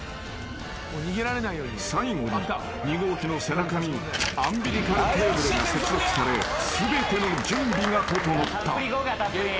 ［最後に弐号機の背中にアンビリカルケーブルが接続され全ての準備が整った］